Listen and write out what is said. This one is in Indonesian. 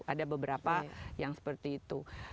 ada beberapa yang seperti itu